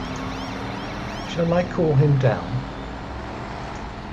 Shall I call him down?